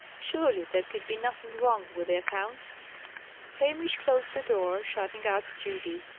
Surely there could be nothing wrong with the accounts? Hamish closed the door, shutting out Judy.